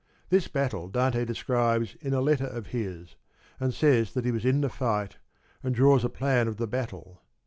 This battle Dante describes in a letter of his, and says that he was in the fight, and draws a plan of the battle.